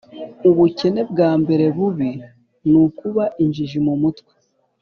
Ubukene bwambere bubi nukuba injiji mu mutwe